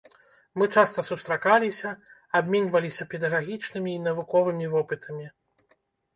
Мы часта сустракаліся, абменьваліся педагагічным і навуковым вопытамі.